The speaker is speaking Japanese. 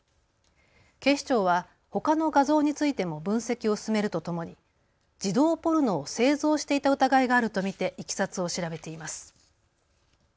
警視庁はほかの画像についても分析を進めるとともに児童ポルノを製造していた疑いがあると見ていきさつを調べています。